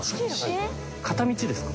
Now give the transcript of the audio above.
片道ですか？